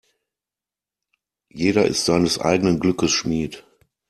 Jeder ist seines eigenen Glückes Schmied.